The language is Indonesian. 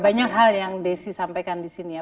banyak hal yang desi sampaikan disini ya